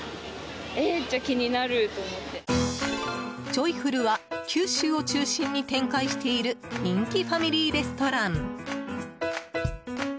ジョイフルは九州を中心に展開している人気ファミリーレストラン。